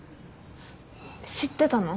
知ってたの？